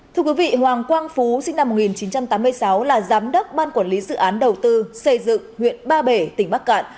thưa quý vị hoàng quang phú sinh năm một nghìn chín trăm tám mươi sáu là giám đốc ban quản lý dự án đầu tư xây dựng huyện ba bể tỉnh bắc cạn